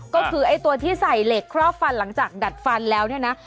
ก็คือไอ้ตัวที่ใส่เหล็กครอบฟันหลังจากดัดฟันแล้วเนี่ยนะ